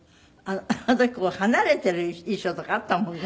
あの時こう離れてる衣装とかあったもんね。